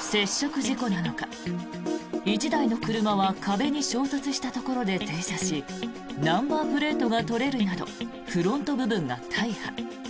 接触事故なのか、１台の車は壁に衝突したところで停車しナンバープレートが取れるなどフロント部分が大破。